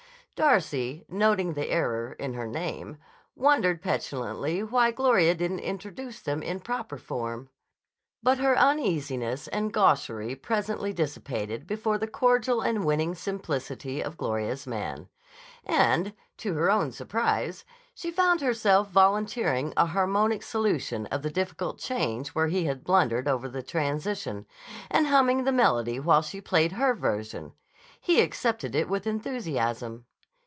Darcy, noting the error in her name, wondered petulantly why Gloria didn't introduce them in proper form. But her uneasiness and gaucherie presently dissipated before the cordial and winning simplicity of Gloria's man. And, to her own surprise, she found herself volunteering a harmonic solution of the difficult change where he had blundered over the transition, and humming the melody while she played her version. He accepted it with enthusiasm.